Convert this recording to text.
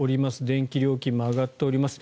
電気料金も上がっております。